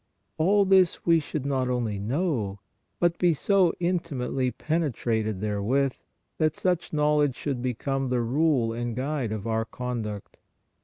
All this we should not only know, but be so intimately penetrated therewith, that such 158 PRAYER knowledge should become the rule and guide of our conduct.